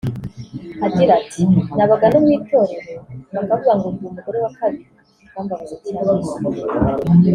Agira ati “Nabaga no mu itorero bakavuga ngo ndi umugore wa kabiri bikambabaza cyane